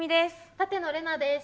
舘野伶奈です。